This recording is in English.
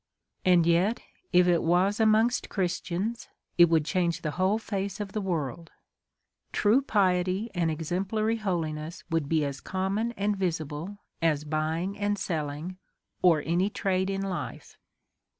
And yet, if it was amongst Christians, it would change the whole face of the world ; true piety and exemplary holiness would be as common and visible as buying and selling, or any trade in life.